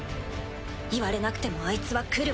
言われなくてもあいつは来るわ。